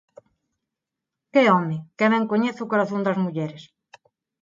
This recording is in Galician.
Que home! Que ben coñece o corazón das mulleres.